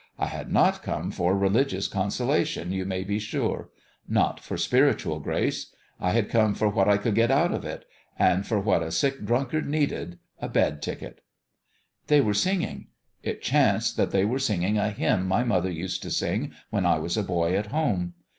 I had not come for religious con solation, you may be sure not for spiritual grace. I had come for what I could get out of it for what a sick drunkard needed a bed ticket. "They were singing. It chanced that they were singing a hymn my mother used to sing when I was a boy at home.